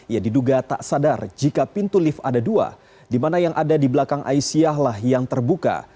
ia diduga tak sadar jika pintu lift ada dua di mana yang ada di belakang aisyahlah yang terbuka